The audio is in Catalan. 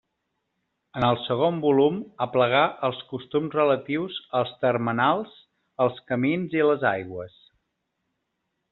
En el segon volum aplegà els costums relatius als termenals, els camins i les aigües.